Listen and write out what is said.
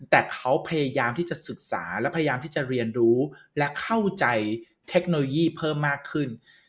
แต่เขาพยายามที่จะศึกษาและพยายามที่จะเรียนรู้และเข้าใจเทคโนโลยีเพิ่มมากขึ้น